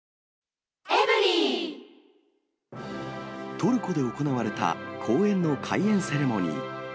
トルコで行われた公園の開園セレモニー。